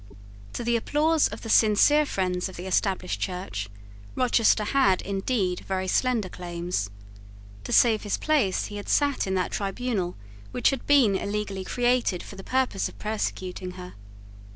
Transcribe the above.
To the applause of the sincere friends of the Established Church Rochester had, indeed, very slender claims. To save his place he had sate in that tribunal which had been illegally created for the purpose of persecuting her.